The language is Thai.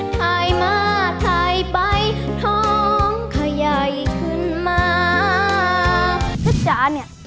ถ่ายมาถ่ายไป